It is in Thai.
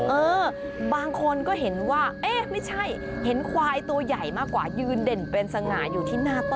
เออบางคนก็เห็นว่าเอ๊ะไม่ใช่เห็นควายตัวใหญ่มากกว่ายืนเด่นเป็นสง่าอยู่ที่หน้าต้น